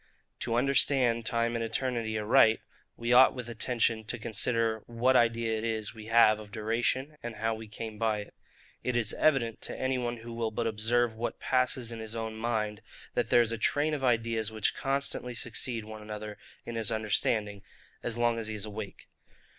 To understand TIME and ETERNITY aright, we ought with attention to consider what idea it is we have of DURATION, and how we came by it. It is evident to any one who will but observe what passes in his own mind, that there is a train of ideas which constantly succeed one another in his understanding, as long as he is awake.